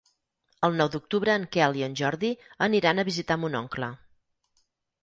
El nou d'octubre en Quel i en Jordi aniran a visitar mon oncle.